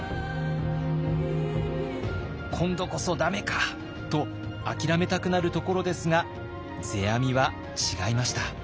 今度こそ駄目かと諦めたくなるところですが世阿弥は違いました。